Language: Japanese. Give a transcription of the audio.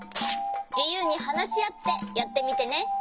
じゆうにはなしあってやってみてね。